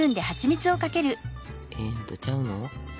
ええんとちゃうの。